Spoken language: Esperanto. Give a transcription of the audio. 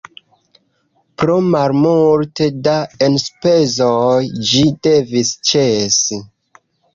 Pro malmulte da enspezoj ĝi devis ĉesi.